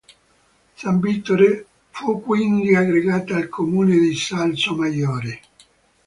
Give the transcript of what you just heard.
San Vittore fu quindi aggregata al comune di Salsomaggiore.